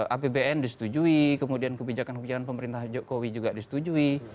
apbn disetujui kemudian kebijakan kebijakan pemerintah jokowi juga disetujui